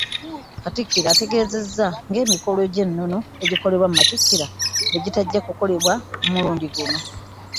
Katikkiro ategeezezza nga emikolo gy'ennono egikolebwaku matikkira bwe gitajja kukolebwa ku mulundi guno.